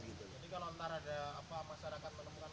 jadi kalau ntar ada apa masyarakat menemukan mereka ngetem